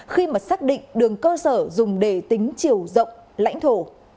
khi mà xác định đường cơ sở dùng để tính chiều rộng lãnh thổ